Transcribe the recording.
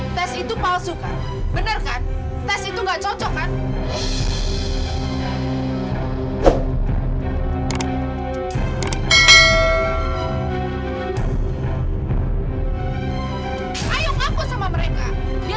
memang mau mencari kamu bukan anaknya pasurya dan neng